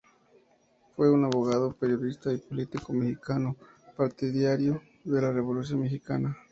Fue un abogado, periodista y político mexicano, partidario de la Revolución mexicana.